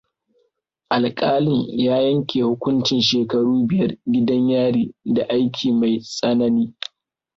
Alƙalin ya yanke hukuncin shekaru biyar gidan yari da aiki mai tsanani.